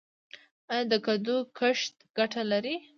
آیا د کدو کښت ګټه لري؟